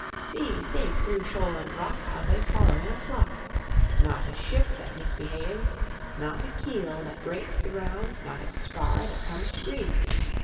See, safe through shoal and rock, How they follow in a flock, Not a ship that misbehaves, not a keel that grates the ground, Not a spar that comes to grief!